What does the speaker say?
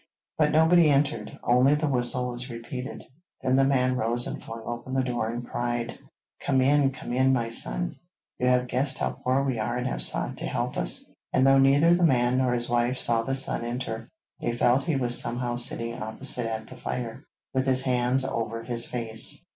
But nobody entered; only the whistle was repeated. Then the man rose and flung open the door and cried: 'Come in, come in, my son! You have guessed how poor we are and have sought to help us,' and though neither the man nor his wife saw the son enter, they felt he was somehow sitting opposite at the fire, with his hands over his face.